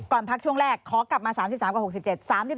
ขอกลับมา๓๓กว่า๖๗